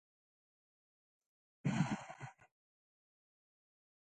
نهرو او سبهاش چندر بوس ځوان مشران وو.